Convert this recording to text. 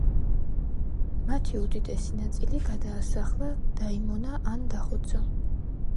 მათი უდიდესი ნაწილი გადაასახლა, დაიმონა ან დახოცა.